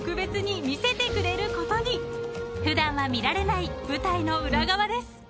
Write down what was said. ［普段は見られない舞台の裏側です］